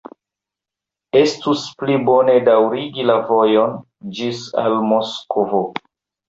Estus pli bone daŭrigi la vojon ĝis al Moskvo!